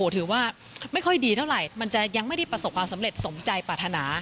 ถือว่าไม่ค่อยดีเท่าไหร่มันจะยังไม่ได้ประสบความสำเร็จสมใจปรารถนา